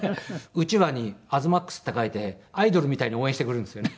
うちわに「東ＭＡＸ」って書いてアイドルみたいに応援してくれるんですよね。